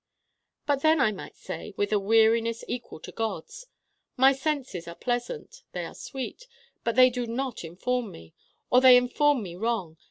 And then I might say, with a weariness equal to God's: 'My senses are pleasant they are sweet but they do not inform me, or they inform me wrong.